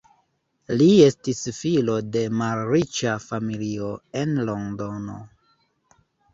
Li estis filo de malriĉa familio en Londono.